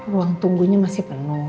ruang tunggunya masih penuh